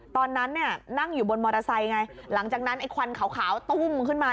ตอนนั้นเนี่ยนั่งอยู่บนมอเตอร์ไซค์ไงหลังจากนั้นไอ้ควันขาวตุ้มขึ้นมา